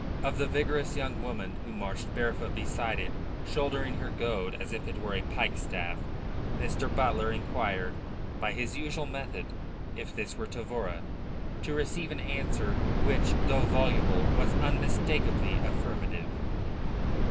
Of the vigorous young woman who marched barefoot beside it, shouldering her goad as if it were a pikestaff, Mr. Butler inquired by his usual method if this were Tavora, to receive an answer which, though voluble, was unmistakably affirmative.